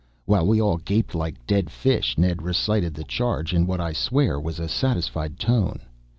While we all gaped like dead fish, Ned recited the charge in what I swear was a satisfied tone.